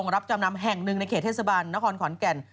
รับจำนำแห่งหนึ่งในเขตเทศบาลนครขอนแก่น